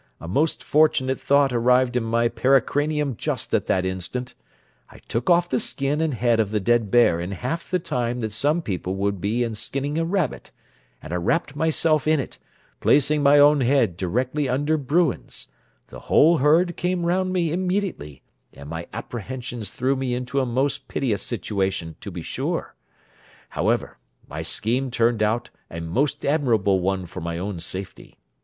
A most fortunate thought arrived in my pericranium just at that instant. I took off the skin and head of the dead bear in half the time that some people would be in skinning a rabbit, and wrapped myself in it, placing my own head directly under Bruin's; the whole herd came round me immediately, and my apprehensions threw me into a most piteous situation to be sure: however, my scheme turned out a most admirable one for my own safety.